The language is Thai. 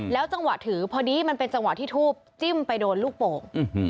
จังหวะถือพอดีมันเป็นจังหวะที่ทูบจิ้มไปโดนลูกโป่ง